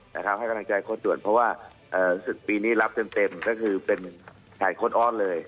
ให้กำลังใจโคตรด่วนปีนี้รับเต้นก็คือเป็นสายคตอ้อนเลย